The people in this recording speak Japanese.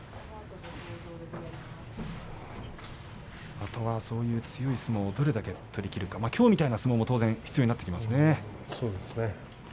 あとはそういう強い相撲をどれだけ取りきるかもちろんきょうみたいな相撲も必要になってきます。